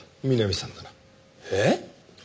えっ？